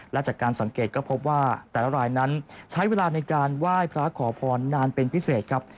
และจากการสังเกตก็พบว่าแต่ละรายนั้นใช้เวลาในการไหว้พระขอพรนานเป็นพิเศษครับ